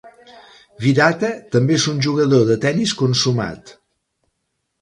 Virata també és un jugador de tenis consumat.